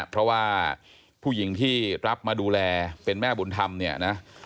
เพราะว่าผู้หญิงที่รับมาดูแลเป็นแม่บุญธรรมเนี่ยนะ